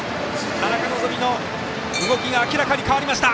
田中希実の動きが明らかに変わりました。